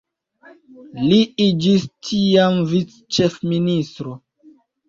Li iĝis tiam vic-ĉefministro.